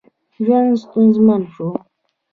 ژوند ستونزمن شو.